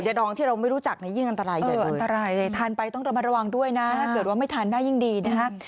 ใช่อันตรายอันตรายทานไปต้องระวังด้วยนะถ้าเกิดว่าไม่ทานได้ยิ่งดีนะคะ